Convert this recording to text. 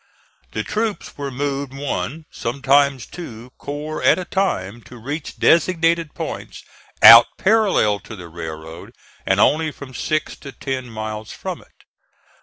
The troops were moved one (sometimes two) corps at a time to reach designated points out parallel to the railroad and only from six to ten miles from it.